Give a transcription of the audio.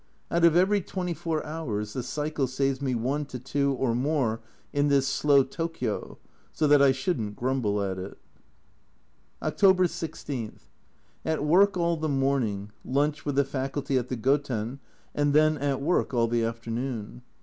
Out of every 24 hours the cycle saves me one to two or more in this slow Tokio, so that I shouldn't grumble at it. October 16. At work all the morning, lunch with the Faculty at the Goten, and then at work all the afternoon.